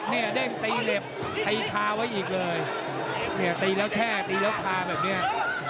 เนี่ยเด้งตีเหล็บตีคาไว้อีกเลยเนี่ยตีแล้วแช่ตีแล้วคาแบบเนี้ย